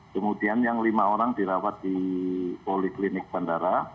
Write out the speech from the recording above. kemudian yang lima orang dirawat di poliklinik bandara